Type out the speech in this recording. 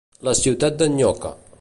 La ciutat d'en Nyoca.